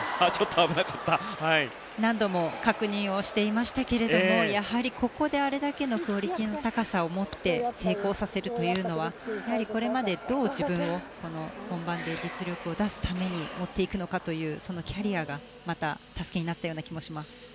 何度も確認をしていましたけどやはりここであれだけのクオリティーの高さをもって成功させるというのはこれまで、どう自分を本番で実力を出すために持っていくのかというキャリアがまた助けになった気がします。